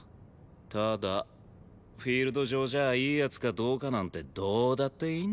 ただフィールド上じゃいい奴かどうかなんてどうだっていいんだよ。